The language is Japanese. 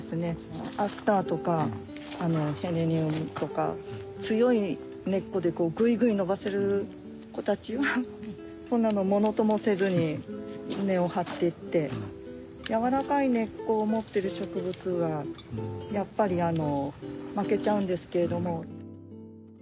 アスターとかへレニウムとか強い根っこでぐいぐい伸ばせる子たちはこんなのものともせずに根を張ってってやわらかい根っこを持ってる植物はやっぱり負けちゃうんですけれども。